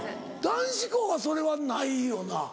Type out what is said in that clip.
男子校はそれはないよな？